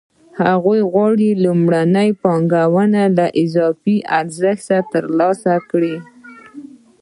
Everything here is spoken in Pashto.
هغه غواړي لومړنۍ پانګه له اضافي ارزښت سره ترلاسه کړي